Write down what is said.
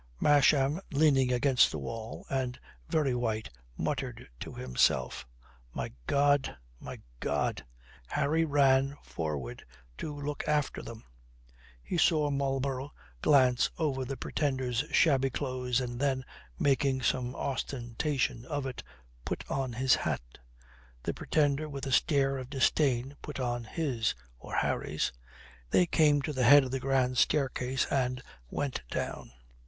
Masham, leaning against the wall and very white, muttered to himself, "My God, my God!" Harry ran forward to look after them. He saw Marlborough glance over the Pretender's shabby clothes and then, making some ostentation of it, put on his hat. The Pretender with a stare of disdain put on his or Harry's. They came to the head of the grand staircase and went down.